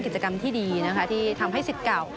ใช่ครับ